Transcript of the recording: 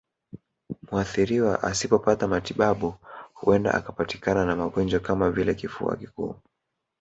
Muathiriwa asipopata matibabu huenda akapatikana na magonjwa kama vile kifua kikuu